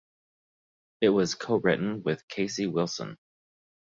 It was co-written with Kasey Wilson.